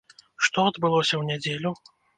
Што адбылося ў нядзелю?